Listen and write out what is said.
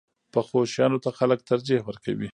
پخو شیانو ته خلک ترجیح ورکوي